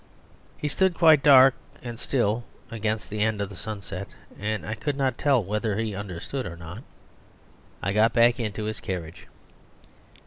He stood quite dark and still against the end of the sunset, and I could not tell whether he understood or not. I got back into his carriage.